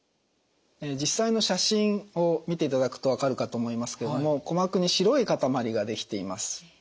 実際の写真を見ていただくと分かるかと思いますけれども鼓膜に白い塊が出来ています。